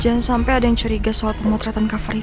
jangan sampai ada yang curiga soal pemotretan cover itu